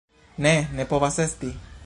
Ne, ne povas esti!